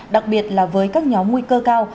đặc biệt là với các nhóm nguy cơ cao